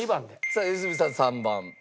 さあ良純さん３番。